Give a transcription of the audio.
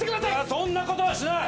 そんなことはしない。